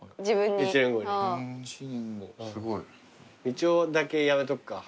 みちおだけやめとくか。